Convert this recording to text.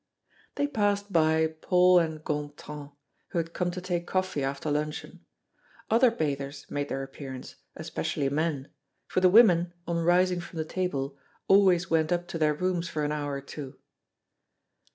They passed by Paul and Gontran, who had come to take coffee after luncheon. Other bathers made their appearance, especially men, for the women, on rising from the table, always went up to their rooms for an hour or two.